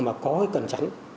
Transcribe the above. mà có cái cần sáng